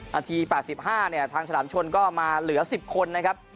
นาทีแปดสิบห้าเนี่ยทางฉลามชนก็มาเหลือสิบคนนะครับ